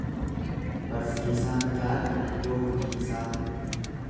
Barsiisaan yaada iddoo hojii isaa.